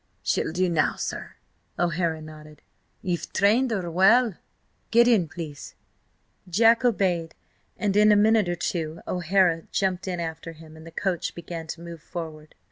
"She'll do now, sir." O'Hara nodded. "Ye've trained her well. Get in, please." Jack obeyed, and in a minute or two O'Hara jumped in after him, and the coach began to move forward.